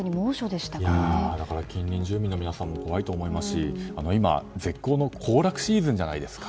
近隣住民の皆さんも怖いと思いますし今、絶好の行楽シーズンじゃないですか。